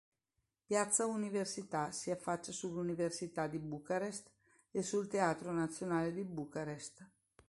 Piazza Università si affaccia sull'Università di Bucarest e sul Teatro Nazionale di Bucarest.